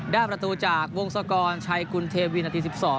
ได้ประตูจากวงศกรชัยกุลเทวินนาที๑๒